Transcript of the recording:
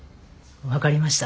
分かりました。